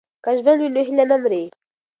که ژوند وي نو هیله نه مري.